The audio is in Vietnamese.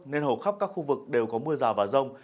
nên hầu khắp các khu vực đều có mưa rào và rông